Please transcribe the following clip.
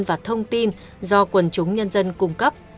và thông tin do quần chúng nhân dân cung cấp